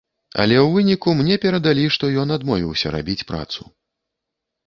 Але ў выніку мне перадалі, што ён адмовіўся рабіць працу.